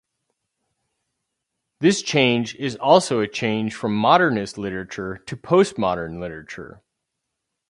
This change is also a change from modernist literature to postmodern literature.